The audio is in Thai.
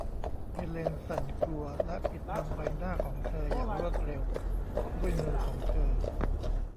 เฮเลนสั่นกลัวและปิดบังใบหน้าของเธออย่างรวดเร็วด้วยมือของเธอ